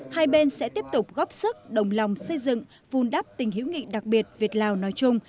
hai bên sẽ tiếp tục góp sức đồng lòng xây dựng vun đắp tình hữu nghị đặc biệt việt lào nói chung